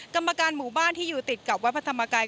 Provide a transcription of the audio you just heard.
กรรมการหมู่บ้านที่อยู่ติดกับวัดพระธรรมกาย